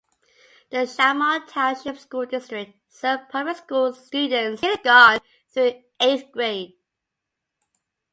The Shamong Township School District serves public school students in kindergarten through eighth grade.